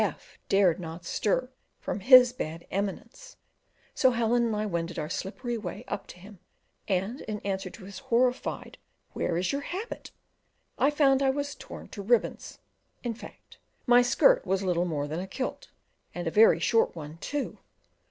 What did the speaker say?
F dared not stir from his "bad eminence;" so Helen and I wended our slippery way up to him, and in answer to his horrified "Where is your habit?" I found I was torn to ribbons; in fact, my skirt was little more than a kilt, and a very short one too!